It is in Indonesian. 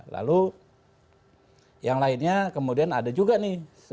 lalu yang lainnya kemudian ada juga nih